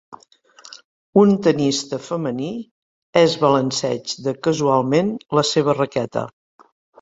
Un tennista femení és balanceig de casualment la seva raqueta.